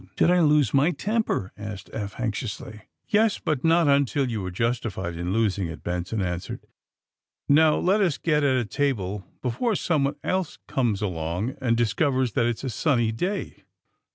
^^Did I lose my temper ?"^ asked Eph anx iously. *^Yes; but not until you were justified in los ing it," Benson answered. Now, let us get at a table before someone else comes along and dis covers that it's a sunny day."